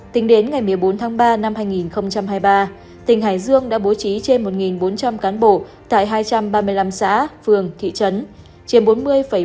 tính đến ngày một mươi bốn tháng ba năm hai nghìn hai mươi ba tỉnh hải dương đã bố trí trên một bốn trăm linh cán bộ tại hai trăm ba mươi năm xã phường thị trấn chiếm bốn mươi ba mươi